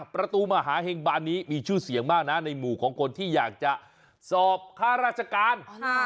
ประตูมหาเห็งบานนี้มีชื่อเสียงมากนะในหมู่ของคนที่อยากจะสอบค่าราชการ